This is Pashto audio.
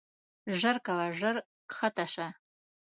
ژر کوه ژر کښته شه.